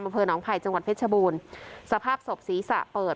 อำเภอหนองภัยจังหวัดเพชรบูรณ์สภาพศพศีรษะเปิด